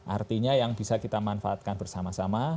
artinya yang bisa kita manfaatkan bersama sama